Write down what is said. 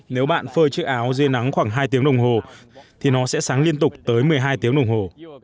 nếu bạn phơi chiếc áo dưới nắng khoảng hai tiếng đồng hồ thì nó sẽ sáng liên tục tới một mươi hai tiếng đồng hồ